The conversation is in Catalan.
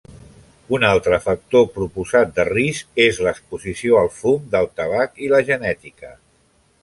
Un altre factor proposat de risc és l'exposició al fum del tabac i la genètica.